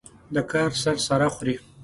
دا کار سر سره خوري.